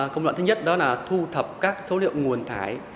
công đoạn thứ nhất đó là thu thập các số liệu nguồn thải